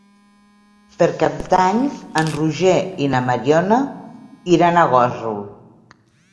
Per Cap d'Any en Roger i na Mariona iran a Gósol.